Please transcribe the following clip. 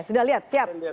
oke sudah lihat siap